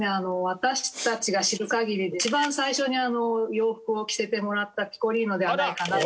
私たちが知る限りで一番最初に洋服を着せてもらったピコリーノではないかな。